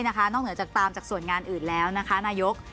นอกเหนือจากตามจากส่วนงานอื่นแล้วนะคะนายก